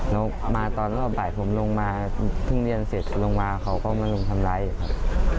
แล้วมาตอนรอบบ่ายผมลงมาเพิ่งเรียนเสร็จลงมาเขาก็มารุมทำร้ายครับ